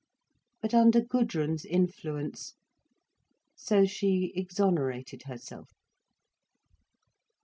But under Gudrun's influence: so she exonerated herself.